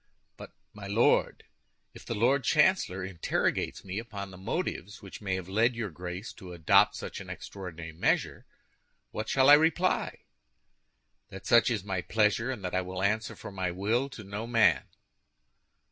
"But, my Lord, if the Lord Chancellor interrogates me upon the motives which may have led your Grace to adopt such an extraordinary measure, what shall I reply?" "That such is my pleasure, and that I answer for my will to no man."